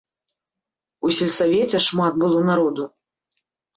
У сельсавеце шмат было народу.